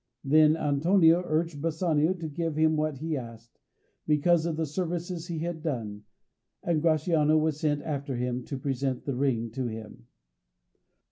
Then Antonio urged Bassanio to give him what he asked, because of the services he had done, and Gratiano was sent after him to present the ring to him.